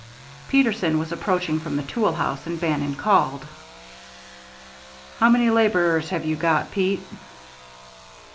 Peterson was approaching from the tool house, and Bannon called. "How many laborers have you got, Pete?"